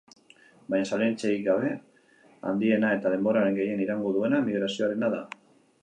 Baina zalantzarik gabe handiena eta denboran gehien iraungo duena migrazioarena da.